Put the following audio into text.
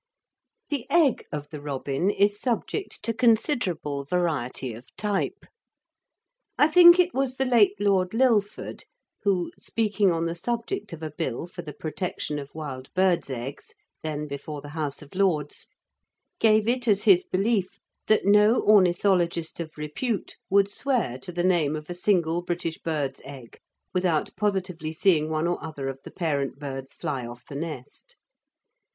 The egg of the robin is subject to considerable variety of type. I think it was the late Lord Lilford who, speaking on the subject of a Bill for the protection of wild birds' eggs, then before the House of Lords, gave it as his belief that no ornithologist of repute would swear to the name of a single British bird's egg without positively seeing one or other of the parent birds fly off the nest.